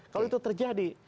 kalau itu terjadi